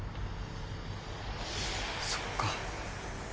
そっか。